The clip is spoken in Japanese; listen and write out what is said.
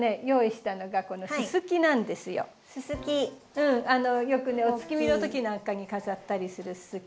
うんよくねお月見のときなんかに飾ったりするススキ。